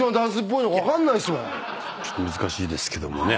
ちょっと難しいですけどもね。